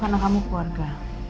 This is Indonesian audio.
karena kamu keluarga